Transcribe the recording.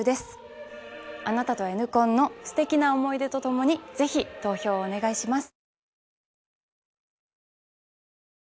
あなたとＮコンのすてきな思い出とともにぜひ投票をお願いします！